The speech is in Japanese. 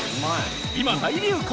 今、大流行！